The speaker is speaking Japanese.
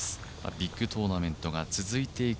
ビッグトーナメントが続く